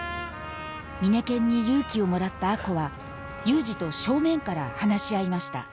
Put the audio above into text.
ミネケンに勇気をもらった亜子は祐二と正面から話し合いました